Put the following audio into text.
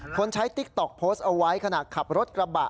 ใช้ติ๊กต๊อกโพสต์เอาไว้ขณะขับรถกระบะ